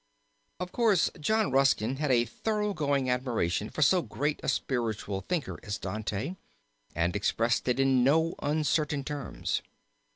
Of course John Ruskin had a thorough going admiration for so great a spiritual thinker as Dante and expressed it in no uncertain terms.